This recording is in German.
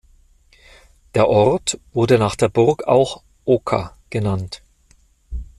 Der Ort wurde nach der Burg auch "Oka" genannt.